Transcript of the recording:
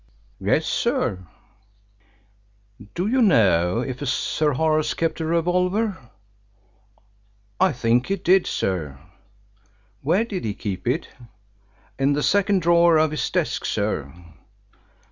"Yes, sir." "Do you know if Sir Horace kept a revolver?" "I think he did, sir." "Where did he keep it?" "In the second drawer of his desk, sir."